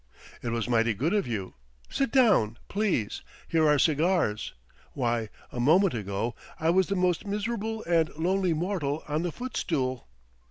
"It was mighty good of you. Sit down, please. Here are cigars.... Why, a moment ago I was the most miserable and lonely mortal on the footstool!"